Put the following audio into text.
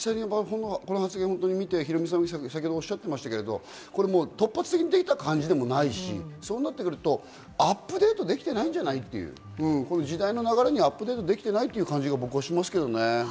この発言を見て、ヒロミさんもおっしゃっていましたが、突発的に出た感じでもないし、そうなるとアップデートできてないんじゃないという、時代の流れにアップデートできてない感じがしますね。